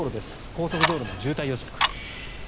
高速道路の渋滞予測。